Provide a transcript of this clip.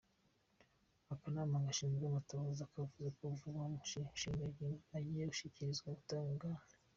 Akanama gashinzwe amatohoza kavuze ko vuba, uwo mushikiranganji agiye gushikirizwa ubutungane.